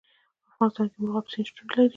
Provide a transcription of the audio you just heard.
په افغانستان کې مورغاب سیند شتون لري.